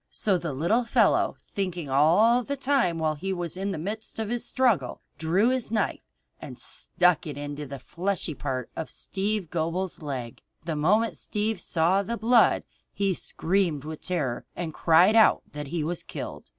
So the little fellow thinking all the time while he was in the midst of his struggle, drew his knife and stuck it into the fleshy part of Steve Gobel's leg. The moment Steve saw the blood he screamed with terror and cried out that he was killed.